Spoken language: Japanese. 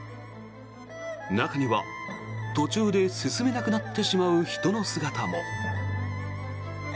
中には途中で進めなくなってしまう人の姿も。